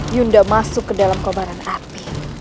yunda masuk ke dalam kobaran api